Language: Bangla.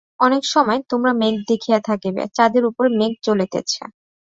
অনেক সময় তোমরা দেখিয়া থাকিবে, চাঁদের উপর মেঘ চলিতেছে।